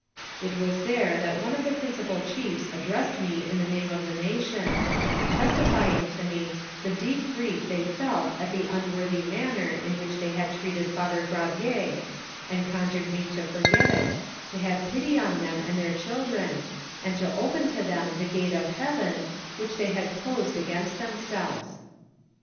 It was there that one of the principal chiefs ad dressed me in the name of the nation, testifying to me the deep grief they felt at the unworthy manner in which they had treated Father Gravier, and conjured me to forget it^ to have pity on them and their children, and to open to them the gate of heaven, which they had closed against themselves.